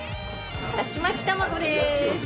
だし巻き卵です。